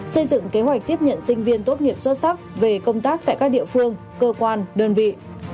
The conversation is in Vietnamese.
xây dựng kế hoạch tiếp nhận sinh viên tốt nghiệp xuất sắc về công tác tại các địa phương cơ quan đơn vị